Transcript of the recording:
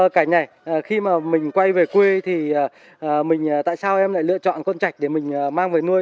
cảnh này khi mà mình quay về quê thì mình tại sao em lại lựa chọn con chạch để mình mang về nuôi